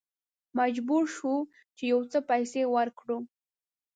مجبور شوو چې یو څه پیسې ورکړو.